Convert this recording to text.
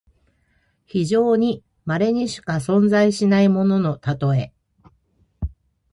非常にまれにしか存在しないもののたとえ。